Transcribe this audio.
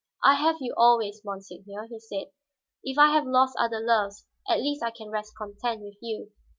"I have you always, monseigneur," he said. "If I have lost other loves, at least I can rest content with you."